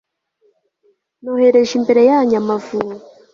nohereza imbere yanyu amavubi